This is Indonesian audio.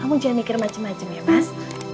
kamu jangan mikir macem macem ya mas